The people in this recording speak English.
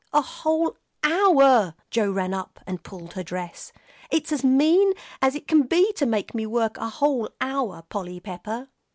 "A whole hour " Joel ran up and pulled her dress. "It's as mean as it can be to make me work a whole hour, Polly Pepper!"